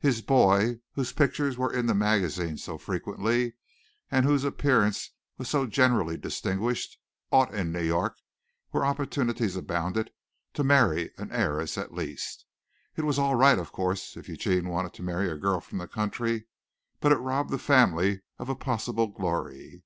His boy, whose pictures were in the magazines so frequently and whose appearance was so generally distinguished, ought in New York, where opportunities abounded, to marry an heiress at least. It was all right of course if Eugene wanted to marry a girl from the country, but it robbed the family of a possible glory.